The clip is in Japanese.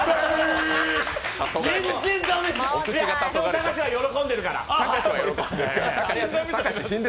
隆は喜んでるから。